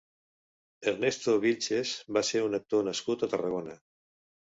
Ernesto Vilches va ser un actor nascut a Tarragona.